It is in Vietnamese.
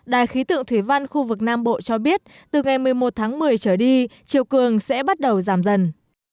đài khí tượng thủy văn khu vực nam bộ cho biết từ ngày một mươi một tháng một mươi trở đi chiều cường sẽ bắt đầu giảm dần